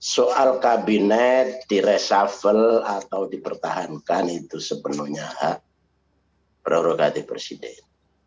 soal kabinet direshuffle atau dipertahankan itu sepenuhnya hak prerogatif presiden